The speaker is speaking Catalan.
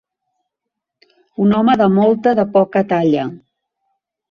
Un home de molta, de poca, talla.